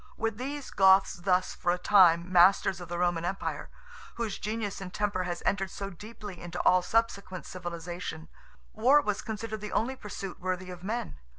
With these Goths thus for a time masters of the Roman Empire, whose genius and temper has entered so deeply into all subsequent civilization, war was considered the only pursuit worthy of men.